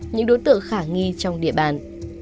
những đối tượng khả nghi trong địa bàn